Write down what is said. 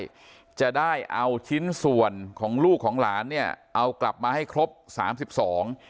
จะได้เอาชิ้นส่วนของลูกของหลานเนี่ยเอากลับมาให้ครบสามสิบสอง